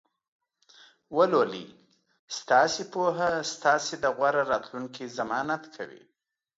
ولولئ! ستاسې پوهه ستاسې د غوره راتلونکي ضمانت کوي.